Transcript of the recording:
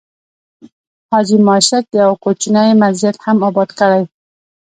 حاجي ماشک یو کوچنی مسجد هم آباد کړی.